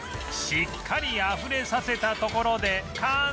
しっかりあふれさせたところで完成！